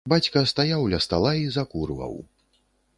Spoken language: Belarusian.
Бацька стаяў ля стала і закурваў.